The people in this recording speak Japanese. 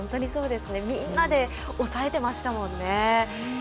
みんなで抑えてましたもんね。